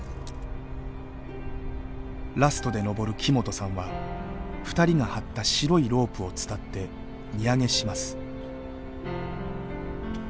ラストで登る木本さんは２人が張った白いロープを伝って荷揚げします。